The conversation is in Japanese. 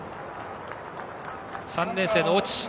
３年生の越智。